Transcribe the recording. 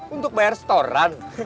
untuk bayar setoran